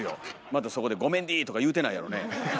またそこで「ゴメンディ」とか言うてないやろね？